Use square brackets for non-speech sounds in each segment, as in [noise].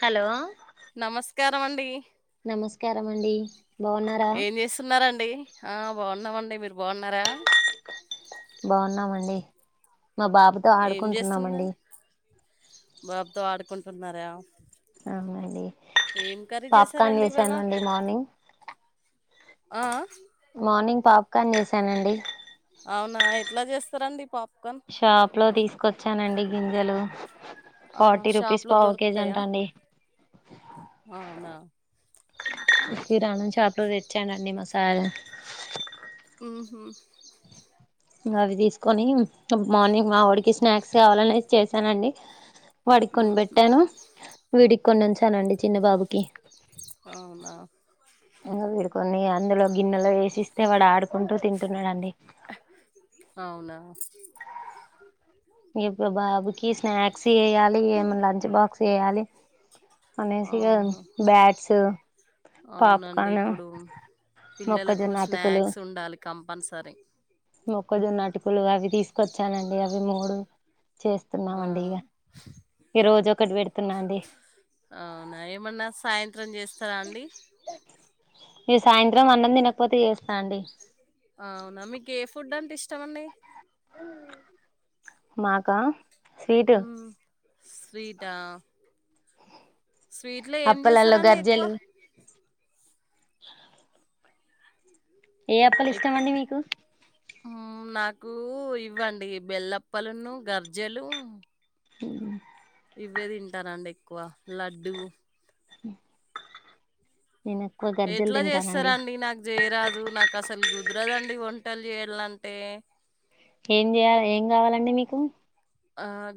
Hello నమస్కారం అండి నమస్కారం అండి బాగున్నారా ఏం జేస్తున్నరండి ఆ బాగున్నామండి మీరు బావున్నారా బాగున్నామండి మా బాబుతో ఏం ఆడుకుంటున్నామండి చేస్తున్నారు? బాబుతో ఆడుకుంటున్నారా అవునండి ఏం కర్రీ పాప్కార్న్ చేశారండి ఇవాళ? చేసానండి మార్నింగ్ ఆ ఆ మార్నింగ్ పాప్కార్న్ జేసానండి అవునా ఎట్ల జేస్తరండి పాప్కన్ షాప్ లో తీసుకొచ్చానండి గింజలు ఆహా! ఫార్టీ రూపీస్ షాప్‌లో పావు కే జీ దొరుకుతాయా? అంటా అండి అవునా! కిరాణం షాప్ లో దెచ్చానండి మా సార్ ఉమ్ హ్ ఇంగవి దీసుకొని అం మార్నింగ్ మా ఓడికి స్నాక్స్ గావాలంటే చేశానండి హుహు. బెట్టాను వీడికి కొన్ని ఉంచానండి చిన్నబాబుకి అవునా వీడు కొన్ని అందులో గిన్నెలో వేసిస్తే వాడు ఆడుకుంటూ తింటున్నాడండి అవునా బాబుకి స్నాక్స్ జేయాలి ఏమో లంచ్ బాక్స్ జేయాలి సిగా ఆహా! బ్యాట్స్ అవునండి పాప్కార్న్ ఇప్పుడు పిల్లలకు మొక్కజొన్న స్నాక్స్ ఉండాలి కంపన్సరీ క్కజోన్నటుకులు అవి తీసుకొచ్చానండి అవి మూడు ఆ! చేస్తున్నామండి ఇగ ఒకటి పెడుతున్నా అండి అవునా ఏమన్నా సాయంత్రం చేస్తారా అండి సాయంత్రం అన్నం దినకపోతే చేస్తా అండి నా మీకే ఫుడ్ అంటే ఇష్టమండి మాకా స్వీటు మ్మ్. స్వీటా స్వీట్ లో ఏం అప్పలల్లో జేస్తరండి ఎక్కువ గర్జెలు ప్పలు ఎక్ ఇస్టమండి మీకు నాకు ఇవ్వండి బెల్లప్పలును గర్జెలు ఇ వి తింటారండి ఎక్కువ లడ్డుూ ఆ నను ట్ల జేస్తరండి నాకు చేయరాదు నాకు అసలు కుదరదండి వంటలు చేయాలంటే ఏం గావాలండి మీకు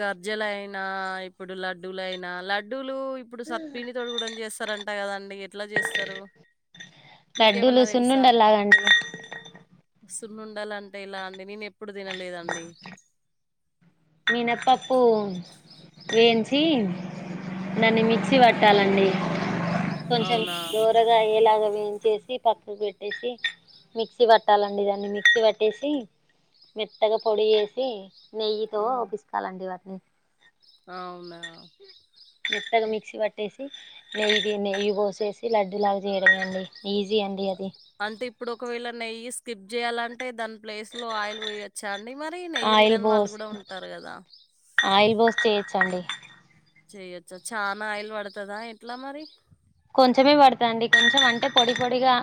గర్జెలయినా ఇప్పుడు లడ్డూలయినా లడ్డూలు ఇప్ పిండి తోటి గూడన్ జేస్తరంట గదాండి ఎట్ల జేస్తరు లడ్డులుసున్నండలు లాగా అండి సున్నుండలంటే ఇలా అండి నేను ఎప్పుడు తినలేదండి మీనపప్పు ఎంచి చి దాన్ని మిక్సీ ఊహు. వట్టాలండి కొంచం అవునా దోరగా అ ఏలాగ వేయించేసి పక్కకు పెట్టేసి మిక్సీ వట్టాలండి దాన్ని మిక్సీ వట్టేసి మెత్తగా పొడి యేసి ని దొ ఉమ్, పిసుకాలండి వాటిని అవునా మెత్తగ మిక్సీ వట్టేసి నెయ్యి ది నెయ్యి వోసేసి లడ్డులాగ జేయడమే అండి ఈజీ అండి అది అంటే ఇప్పుడు ఒకవేళ నెయ్యి స్కిప్ జేయాలన్ అంటే దాని ప్లేస్ లో ఆయిల్ వొయ్యొచ్చా అండి మరి నెయ్యి ఆయిల్ తినని వాళ్ళు పోస్ గూడా ఉంటారు కదా ఆయిల్ బోసి చేయిచ్చండి చెయొచ్చా చానా ఆయిల్ పడతదా ఎట్లా మరి కొంచమే పడుతదండి కొంచెం అంటే పొడి పొడిగా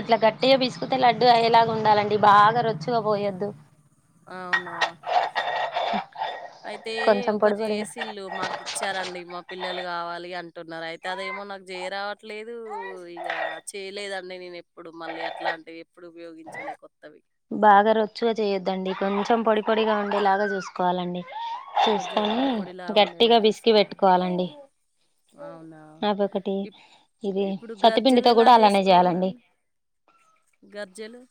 ఇట్ల గట్టిగా బిసుకుతే లడ్డూ అయ్యేలాగా ఉండాలండి బాగా రొచ్చుగా పోయొద్దు అవునా అయితే కొంచెం ఒకరి పొడి పొడిగా జేసిల్లు మాకు ఇచ్చారండి మా పిల్లలు గావాలి అంటున్నారు అయితే అదేమో నాకు జేయ రావట్లేదు ఇగ చేయలేదండి నేను ఎప్పుడు మళ్ళీ అట్లాంటివి ఎప్పుడు ఉపయోగించలే కొత్తవి బాగా రొచ్చుగ చేయొద్దండి కొంచెం పొడి పొడిగా ఉండేలాగా జూసుకోవాలండి కొంచెం చూసుకొనీ పొడి పొడిలా ఉండేలా గట్టిగా బిసికి చూసుకోవాలి పెట్టుకోవాలండి అవునా అదొకటి ఇప్ ఇది ఇప్పుడు గర్జలు సత్తుపిండితో ఎలా గూడా అలానే జేయాలండి గర్జెలు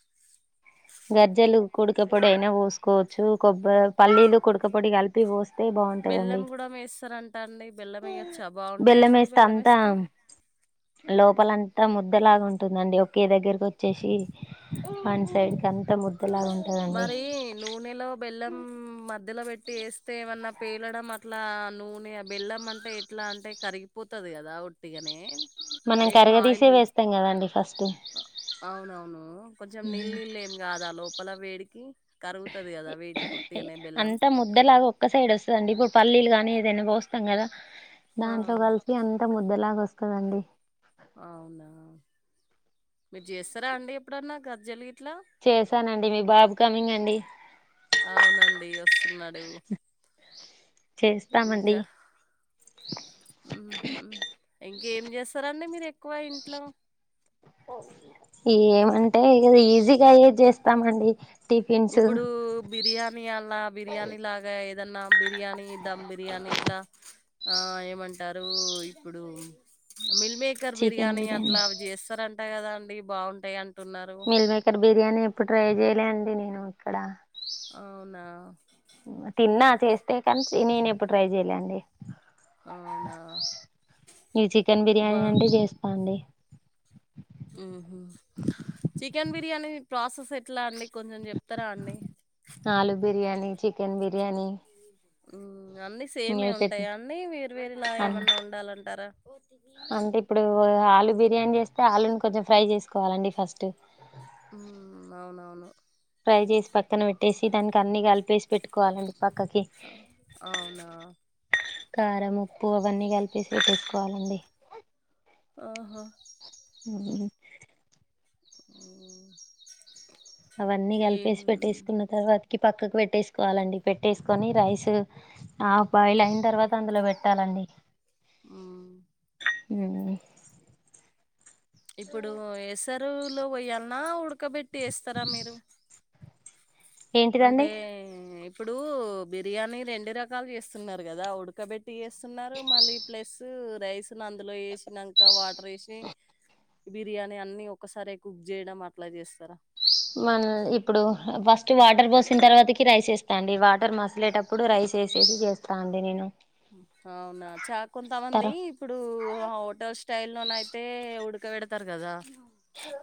గజ్జలు కుడక పొడి అయినా వోసుకోవచ్చు. కొబ్బ పల్లీలు కుడక పొడి కలి పోస్తే బాగుంటాయండి బెల్లం కూడా వేస్తారంట అండి బెల్లం వేయొచ్చా బాగుంటాయా బెల్లం అండి ఏస్తే అంతా వేస్తే లోపలంతా ముద్దలాగా ఉంటుందండి ఒకే దగ్గరికొచ్చేషి వన్ సైడ్ అంత ముద్దలాగా ఉంటుందండి మరీ నూ నూనెలో బెల్లం మధ్యల బెట్టి ఏస్తే ఏమన్నా పేలడం అట్లా నూనె బెల్లం అంటే ఎట్లా అంటే కరిగిపోతది గదా ఉట్టిగానే మనం ఏం కరగదీసే ఆయిల్ వేస్తాం కదండి ఫస్ట్ అవునవును కొంచెం నీళ్ళు నీళ్ళు ఏం కాదా లోపల వేడికి కరుగుతది గదా వేడికి ఉట్టిగనే బెల్లం డ్డలాగా ఒక్క సైడ్ ఒస్తదండి ఇప్పుడు పల్లీలు గాని ఏదైనా వోస్తాం గదా ఆ దాంట్లో కల్స్ అంత ముద్దలాగొస్తదండి అవునా మీరు జేస్తారా అండి ఎప్పుడన్నా గర్జేలు గి చేశానండి మీ బాబు కమింగ్ అండి అవునండీ వసున్నాడు చేస్తామండి ఉహుం ఇంకేం చేస్తారండి మీరు ఎక్కువ ఇంట్లో ఏమంటే ఇగ ఈజీగాయ్యేది జేస్తామండి ఇప్పుడు బి బిర్యానీ అలా బిర్యానీ లాగా ఏదన్నా బిర్యానీ ధమ్ బిర్యానీ ఇట్లా ఆ ఏమంటారు ఇప్పుడు మిల్ మేకర్ బిర్యానీ అట్లా అవి చేస్తారంటా కదా అండి బావుంటయి అంటున్నారు మీల్ మేకర్ బిర్యానీ ఎప్పుడు ట్రై చేయలే అండి నేను ఇక్కడ అవునా తిన్నా చేస్తే కానీ నేనెప్పుడు ట్రై చెయ్యలే అండి అవునా ఈ చికెన్ బిర్యానీ బా అంటే చేస్తా అండి మ్మ్ హ్మ్ చికెన్ బిర్యానీ ప్రోసెస్ ఎట్లా అండి కొంచెం చెప్తరా అండి ఆలు బిర్యానీ చికెన్ బిర్యానీ మ్మ్ అన్ని సేమే ఇంగ పెద్ద ఉంటాయా అండి వేరు వేరులా అన్ ఏమన్నా ఉండాలంటారా ఓ ఆలు బిర్యానీ చేస్తే ఆలుని కొంచెం ఫ్రై చేసుకోవాలండి ఫస్ట్ ఊ అవునవును ఫ్రై చేసి పక్కన పెట్టేసి దానికి అన్నీ కలిపేసి పేస్ట్ పెట్టుకోవాలండి పక్కకి ఆ! అవునా? కారం ఉప్పు అవన్నీ కలిపేసి పెట్టుకోవాలండి ఆహా ఊ ఉమ్ అవన్నీ కలిపేసి పెట్టేసుకున్న తర్వాతకి పక్కకు పెట్టేసుకోవాలండి పెట్టేసుకొని రైస్ ఆఫ్ బాయిల్ అయిన తర్వాత అందులో ఊ ఊ ఇప్పుడు ఏసరులో పోయలన్నా ఉడకబెట్టి ఏస్తారా మీరు అంటే ఏంటిదండి ఇప్పుడు బిర్యానీ రెండు రకాలు చేస్తున్నారు కదా ఉడకబెట్ట్ టీయేస్తున్నారు మళ్ళీ ప్లసు రైస్ అందులో వేసినాక వాటర్ వేసి బిర్యానీ అన్ని ఒక్కసారే కుక్ చేయడం అట్లా చేస్తారా మనల్ ఇప్పుడు ఫస్ట్ వాటర్ పోసిన తర్వాతకి రైస్ ఏస్ టేండి వాటర్ మసలేటప్పుడు రైస్ ఏసేసి చేస్తా అండి నేను అవునా ఛ తర కొంతమంది ఇప్పుడు హోటల్ స్టైల్ లోనైయితే ఉడక పెడతారు కదా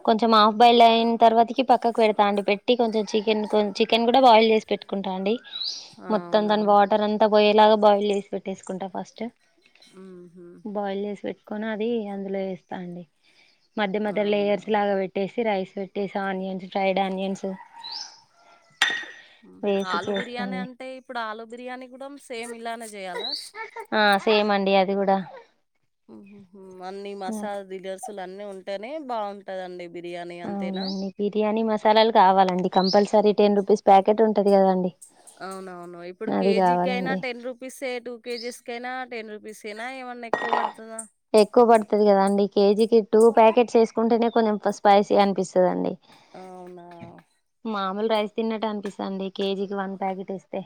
కొంచెం ఆఫ్ బాయిల్డయిన తర్వాతకి పక్కకు పెడతాండి పెట్టి కొంచెం చికెన్ చికెన్ కూడా బాయిల్ చేసి పెట్టుకుంటా అండి మొత్తం అవునా దాని వాటర్ అంతా పోయేలాగా బోయల్ చేసి పెట్టేసుకుంటా ఫస్ట్ ఉహు బాయల్ చేసి పెట్ కొని అది అందులో ఏస్తా అండి మధ్య మధ్య అవునా లేయర్స్ లాగా పెట్టేసి రైస్ పెట్టేసి ఆనియన్స్ ఫ్రైడ్ ఆనియన్స్ ఊ ఊ వేసి ఆలు బిర్యానీ చేస్తాండి అంటే ఇప్పుడు ఆలు బిర్యానీ కూడా సేమ్ ఇలానే చేయాలా ఆ సేమ్ అండి అది కూడా ఊ అన్ని మసాలా దినుసులు అన్ని ఉంటేనే బావుం టదిదండి బిర్యానీ అంతేనా అవునండి బిర్యానీ మసాలాలు కావాలండి కంపల్సరీ టెన్ రూపిస్ ప్యాకెట్ ఉంటది కదా అండి అవునవును ఇప్పుడు కేజీకైయినా టెన్ పీసే టూ కేజీస్కైయినా టెన్ రూపిస్ అయినా ఏమన్నా ఎక్కువ పడతాదా ఎక్కువ పడతాది కదా అండి కేజీకి టూ ప్యాకెట్స్ వేసుకుంటేనే కొంచెం స్పైసీ అనిపిస్తుందాండి అవునా మామూలు రైస్ తిన్నట్టు అనిపిస్తాండి కేజీకి వన్ ప్యాకెట్ ఏస్తే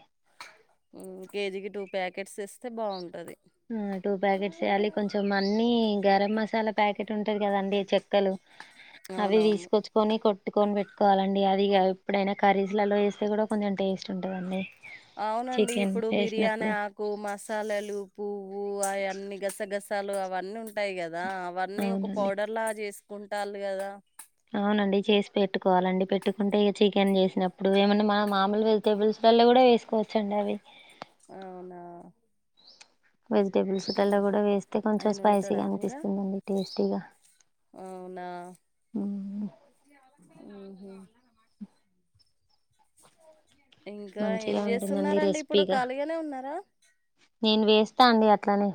ఊ కేజీకి టూ ప్యాకెట్స్ ఇస్తే బావుంటది ఆ టూ ప్యాకెట్స్ వేయాలి కొంచెం అన్నీ గరం మసాలా ప్యాకెట్ ఉంటది కదండి చెక్కలు అవి అవునవును తీసుకొచ్ కొని కొట్టుకొని పెట్టుకోవాలండి అది కాదు ఎప్పుడైనా కర్రీస్లల్లో ఏస్తే కూడా కొంచెం టేస్ట్ ఉంటదండి అవునండి చికెన్ ఇప్పుడు బిర్యానీ వేసినప్పుడు ఆ కు మసాలాలు పువ్వు అయన్నీ గసగసాలు అవన్నీ ఉంటాయి కదా అవన్నీ ఒక అవునండి పౌడర్ లాగా చేసుకుంటాల్లు గదా అవునండి చేసి పెట్టుకోవాలండి పెట్టుకుంటే ఏ చికెన్ చేసినప్పుడు ఏమన్నా మా మాములు వే టేబుల్స్ లల్లో కూడా వేసుకోవచ్చు అండి అవి అవునా వెజిటబుల్స్ కల్లో ఉమ్. కూడా వేస్తే కొంచెం ఆయన వండుతాడా స్పైసీగా కూర అనిపిస్తుందండి టేస్టీగా అవునా ఊహూ ఇంకా ఏం మంచిగా ఉంటుందండి చేస్తున్నారండి ఇప్పుడు రెసిపీగా ఖాళీగానే ఉన్నారా నేను వేస్తా అండి అట్లనే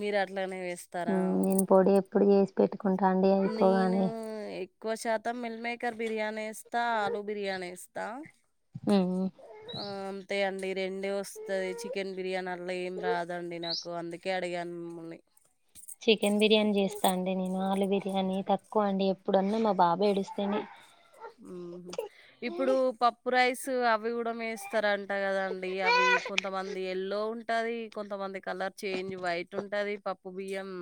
మీరు అట్లనే వేస్తారా నేను పొడి ఎప్పుడూ చేసి పెట్టుకుంటా అండి అయిపోగానే క్కువ శాతం మిల్ మేకర్ బిర్యానీ ఏస్తా ఆలూ బిర్యానీ ఏస్తా ఊ ఆ అంతే అండి రెండే వస్తది చికెన్ బిర్యానీ అల్లా ఏం రాదండి నా కు అందుకే అడిగాను మిమ్ముల్ని చికెన్ బిర్యానీ చేస్తాను అండి నేను ఆలూ బిర్యానీ తక్కువ అండి ఎప్పుడన్నా మా బాబు ఏడుస్తేనే ఊహూ ఇప్పుడు పప్పు రైస్ అవి కూడా మేస్తారన్ ట కదండి అవి కొంతమంది ఎల్లో టది కొంతమంది కలర్ చేంజ్ వైట్ ఉంటది పప్పు బియ్యం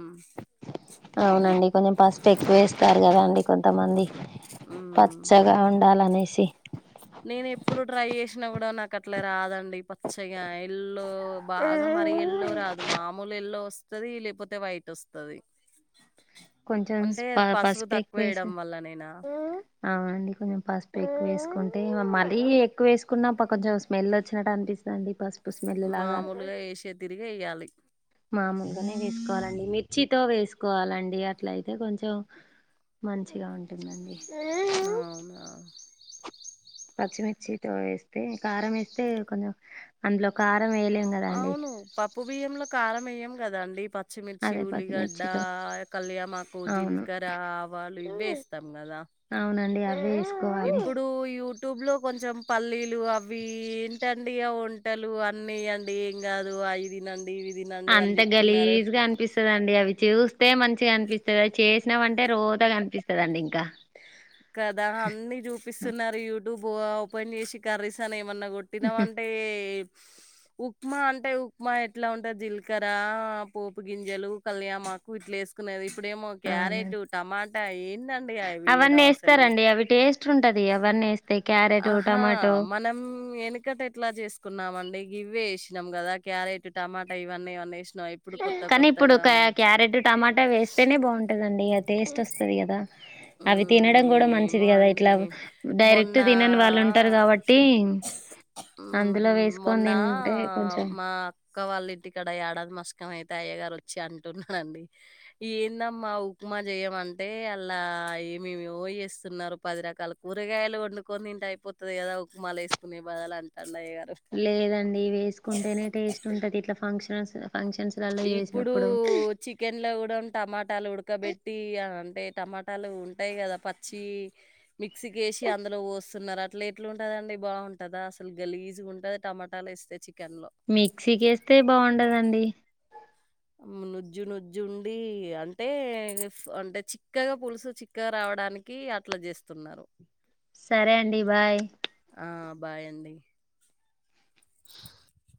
అవునండి కొంచెం పసుపు ఎక్కువ వేస్తారు కదా అండి కొంతమంది పచ్చగా ఉండాలనేసి నేను ఎప్పుడూ ట్రై చేసినా కూడా నాకు అట్లా రాదండి పచ్చగా ఐ ల్లో బాగా మరీ ఎల్లో రాదు మామూలు ఎల్లో వస్తది లేకపోతే వైట్ వస్తది కొంచెం అంటే అది పసువు పసుపు తక్కువ ఎక్కువేసి వేయడం వల్ల నేనా అవునండి కొంచెం పసుపు ఎక్కువ వేసుకుంటే మరీ ఎక్కువ వేసుకున్నా ప కొంచెం స్మెల్ వచ్చినట్టు అనిపిస్ టండి పస్ మామూలుగా ఏసే తీరుగా వేయాలి మామూలుగానే వేసుకోవాలండి మిర్చితో వేసుకోవాలండి అట్లయితే కొంచెం మంచిగా ఉంటుందండి అవునా పచ్చిమిర్చితో వేస్తే కారం ఏస్తే కొంచెం అందులో కారం వెయ్యలే అవును పప్పు బియ్యంలో కారం ఎయ్యం కదండి ప చ్చిమిర్చి అదే ఉల్లిగడ్డ పచ్చిమిర్చితో కళ్యామాకు అవును జీలకర్ర ఆవాలు ఇవ్వేస్తాం కదా అవునండి అవే ఏస్ ఇప్పుడు యూట్యూబ్ లో కొంచెం పల్లీలు అవి ఏంటండి అవున్ ట్టలు అన్నీ అండి ఏం కాదు అవి తినండి ఇవి తినండి అని చెప్తున్నారు తదండి అవి చూస్తే మంచిగా అన్పిస్తది అవి చేసినావంటే రోతగా అన్పిస్తదండి ఇంకా కదా అన్నీ చూపిస్తున్నారు యూట్యూబ్ ఓపెన్ చేసి కర్రీస్ అని ఏమన్నా కొట్టినామన్ టే ఉప్మా అంటే ఉప్మా ఎట్లా ఉంటది జీలకర్ర పోపు గింజలు కళ్యామాకు ఇట్లేస్ కునేది ఇప్పుడేమో అవునండి క్యారెటు టమాటా ఏందండి అవి ఎయ్యడం అస్ ఇస్తారండి అవి టేస్ట్ ఉంటది అవన్నీ యేస్తే క్యారెటు అహా! టొమాటో మనం వెనుకట ఎట్లా చేసుకున్నామండి ఇవే వేసినాం కదా క్యారెట్ టమాటా ఇవన్నీ ఇవన్నీ వేసినాం. కాని ఇప్పుడు క్యా క్యారెట్ టమాటా వేస్తేనే బాగుంటదండి ఇగ టేస్ట్ వస్తాది కదా. అవి హ్మ్. తినడం కూడా ఏమో మంచిది కదా అండి. ఇట్లా మొన్న డైరెక్ట్ తినని వాళ్ళు ఉంటారు కావ ట్టి అందులో హుహు. వేసుకొని తింటే కొంచెం ఒక్క వాళ్ళ ఇంటి కాడ ఏడాది మస్క్ అయితే అయ్య గారు వచ్చి అంటున్నాడు అండి. ఏందమ్మా ఉప్మా చేయమంటే అలా ఏమేమో చేస్తున్నారు పది రకాల కూరగాయలు వండుకొని తింటే అయిపోత్ తది కదా ఉప్మాలో వేసుకునే బదాలు అంటా అన్నయ్యగారు. లేదండి వేసుకుంటేనే టేస్ట్ ఉంటది ఇట్లా ఫంక్షన్స్ ఫంక్షన్స్ ఇప్పుడు చి కెన్లో కూడా టమాటాలు ఉడకబెట్టి అంటే టమాటాలు ఉంటాయి కదా పచ్చివి మిక్సీకేసి అందులో పొస్తు న్నారు అట్లా ఎట్లు ఉంటదండి బాగుంటదా అసలు గలీజుగా ఉంటాది టమాటాలు వేస్తే చికెన్లో. మిక్సీకి యేస్తే బాగుండదండి ఉమ్ నుజ్జు నుజ్జుండి అంటే అంటే చిక్కగా పులుసు చి క్క రావడానికి అట్లా చేస్తున్నారు సరే అండి బాయ్ ఆ బాయ్ అండి [inaudible]